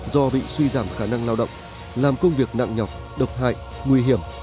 do bị suy giảm khả năng lao động làm công việc nặng nhọc độc hại nguy hiểm